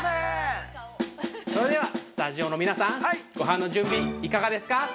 ◆それでは、スタジオの皆さん、ごはんの準備、いかがですか。